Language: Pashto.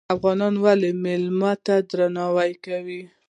افغانان ولې میلمه ته درناوی کوي؟